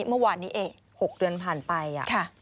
เมื่อวานนี้เอ๊ะ๖เดือนผ่านไปอ่ะค่ะ